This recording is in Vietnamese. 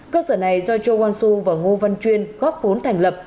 cơ sở này do châu quang su và ngô văn chuyên góp vốn thành lập